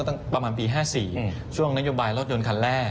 ประมาณปี๕๔ช่วงนโยบายรถยนต์คันแรก